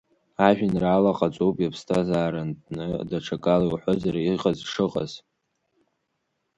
Ажәеинраала ҟаҵоуп иаԥсҭазааратәны, даҽакала иуҳәозар, иҟаз шыҟаз.